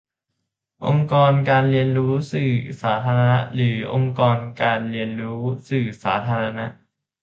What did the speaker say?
องค์กรการเรียนรู้สื่อสาธารณะ หรือ องค์กรการเรียนรู้สื่อสาธารณะ ?